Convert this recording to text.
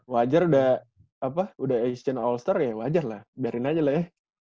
wajar udah apa udah asian all star ya wajar lah biarin aja lah ya